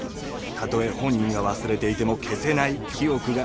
たとえ本人が忘れていても消せない記憶が。